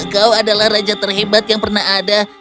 kau adalah raja terhebat yang pernah ada